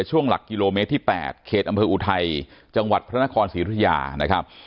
ช่วงหลักกิโลเมตรที่๘เขตอำเภออุทัยจังหวัดพระนครศรีรุธยานะครับ